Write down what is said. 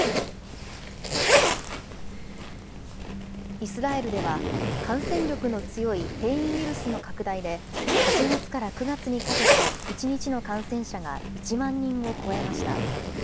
イスラエルでは、感染力の強い変異ウイルスの拡大で、８月から９月にかけて、１日の感染者が１万人を超えました。